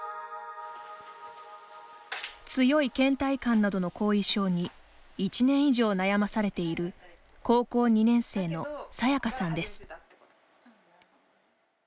強いけん怠感などの後遺症に１年以上悩まされている高校２年生のさやかさんです。